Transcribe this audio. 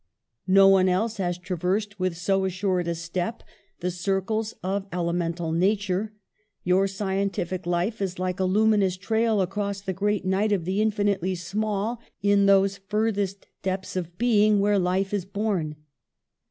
No one else has traversed with so assured a step the circles of elemental nature; your scientific life is like a luminous trail across the great night of the infinitely small, in those furthest depths of being, where life is born.''